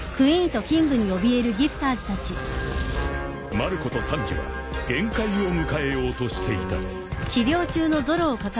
［マルコとサンジは限界を迎えようとしていた］